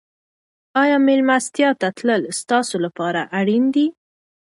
آیا مېلمستیا ته تلل ستاسو لپاره اړین دي؟